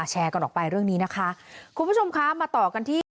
แชร์ก่อนออกไปเรื่องนี้นะคะ